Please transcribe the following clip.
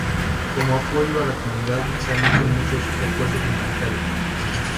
Como apoyo a la comunidad, se han hecho muchos esfuerzos humanitarios.